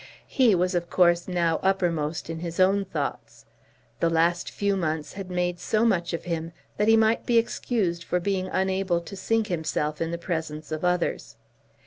He was of course now uppermost in his own thoughts. The last few months had made so much of him that he might be excused for being unable to sink himself in the presence of others.